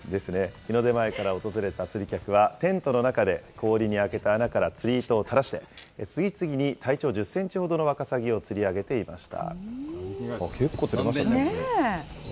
日の出前から訪れた釣り客は、テントの中で氷に開けた穴から釣り糸を垂らして、次々に体長１０センチほどのワカサギを釣り上げていました。